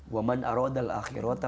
wa man arodat akhirat